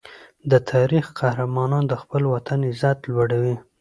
د تاریخ قهرمانان د خپل وطن عزت لوړوي.